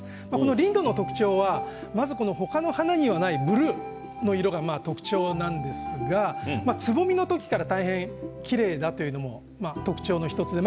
リンドウの特徴はまず他の花にはないブルーの色が特徴なんですがつぼみの時から大変きれいだということも特徴の１つです。